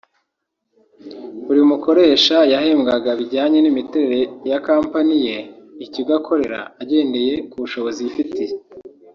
buri mukoresha yahembwaga bijyanye n’imiterere ya Company ye (ikigo akorera) agendeye ku bushobozi yifitiye